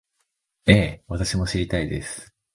ええ、私も知りたいです